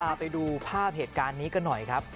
พาไปดูภาพเหตุการณ์นี้กันหน่อยครับ